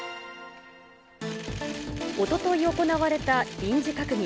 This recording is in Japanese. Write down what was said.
おととい行われた臨時閣議。